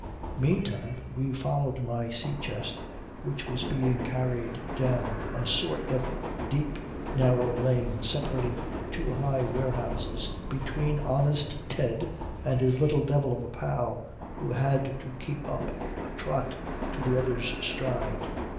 "Meantime we followed my sea chest which was being carried down a sort of deep narrow lane, separating two high warehouses, between honest Ted and his little devil of a pal who had to keep up a trot to the other's stride.